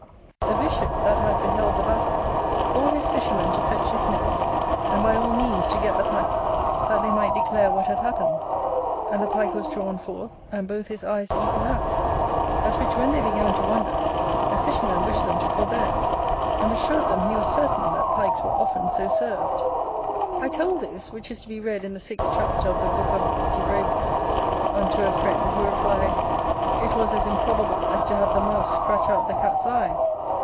The bishop, that had beheld the battle, called his fisherman to fetch his nets, and by all means to get the Pike that they might declare what had happened: and the Pike was drawn forth, and both his eyes eaten out; at which when they began to wonder, the fisherman wished them to forbear, and assured them he was certain that Pikes were often so served." I told this, which is to be read in the sixth chapter of the book of Dubravius, unto a friend, who replied, "It was as improbable as to have the mouse scratch out the cat's eyes".